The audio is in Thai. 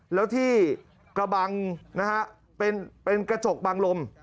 แล้วที่กระบังนะฮะเป็นกระจกบังลม